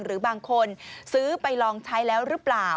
หรือบางคนซื้อไปลองใช้แล้วหรือเปล่า